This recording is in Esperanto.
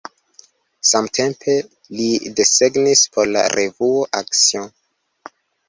Samtempe li desegnis por la revuo "Action".